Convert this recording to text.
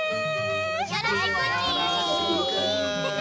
よろしくち。